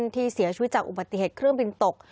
ที่เสียชีวิตจากอุบัติเหตุเครื่องบินตก